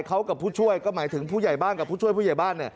เขากับผู้ช่วยก็หมายถึงผู้ใหญ่บ้านกับผู้ช่วยผู้ใหญ่บ้าน